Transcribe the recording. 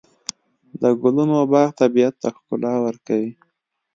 د ګلونو باغ طبیعت ته ښکلا ورکوي.